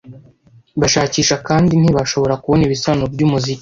Bashakisha kandi ntibashobora kubona ibisobanuro byumuziki.